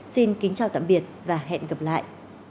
xin kính chào tạm biệt và hẹn gặp lại